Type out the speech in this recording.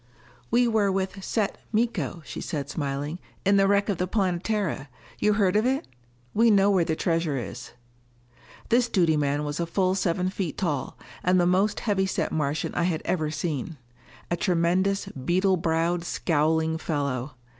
"We were with Set Miko," she said smilingly, "in the wreck of the Planetara. You heard of it? We know where the treasure is." This duty man was a full seven feet tall, and the most heavy set Martian I had ever seen. A tremendous, beetle browed, scowling fellow.